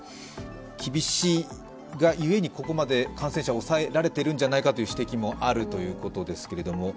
厳しいがゆえにここまで感染者を抑えられているんじゃないかという指摘もあるということです。